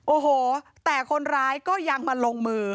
โอ้โหแต่คนร้ายก็ยังมาลงมือ